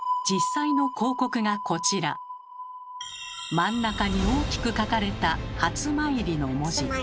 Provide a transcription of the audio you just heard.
真ん中に大きく書かれた「初詣」の文字。